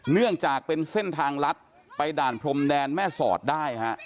เนื่องจากเป็นเส้นทางลัดไปด่านพรมแดนแม่สอดได้ฮะ